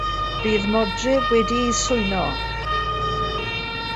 Bydd modryb wedi'i swyno.